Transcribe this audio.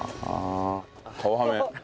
顔ハメ。